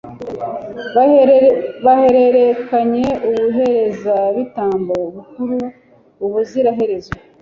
bahererekanye ubuherezabitambo bukuru ubuziraherezo